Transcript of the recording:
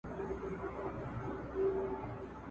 نن به ولي په تیارو کي ښخېدی د شمعي مړی !.